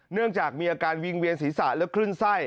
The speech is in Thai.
เนื่องจากมีอาการวิงเวียนศีรษะและคลื่นไส้